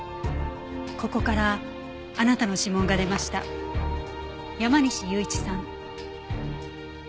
ここからあなたの指紋が出ました山西雄一さん。